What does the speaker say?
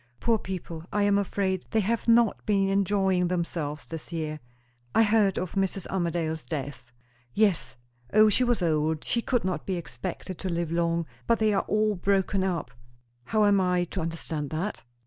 "Poor people, I am afraid they have not been enjoying themselves this year." "I heard of Mrs. Armadale's death." "Yes. O, she was old; she could not be expected to live long. But they are all broken up." "How am I to understand that?"